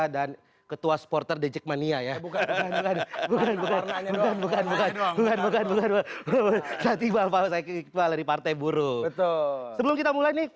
dan itu adalah kemarin